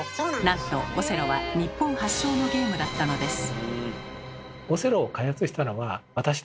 なんとオセロは日本発祥のゲームだったのです。